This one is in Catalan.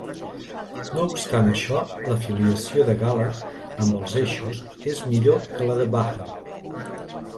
No obstant això, l'afiliació de Gala amb els eixos és millor que la de Vahn.